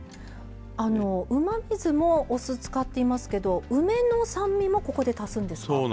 うまみ酢もお酢使っていますけど梅の酸味もここで足すんですか？